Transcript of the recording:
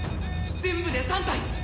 全部で３体！